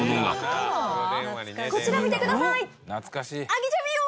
こちら見てください！